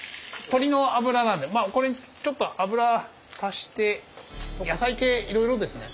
鶏の脂なんでまあこれにちょっと油足して野菜系いろいろですね。